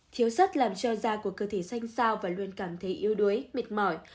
thiếu sắt làm cho da của cơ thể xanh sao và luôn cảm thấy yêu đuối mệt mỏi